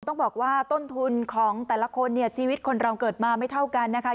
ต้องบอกว่าต้นทุนของแต่ละคนเนี่ยชีวิตคนเราเกิดมาไม่เท่ากันนะคะ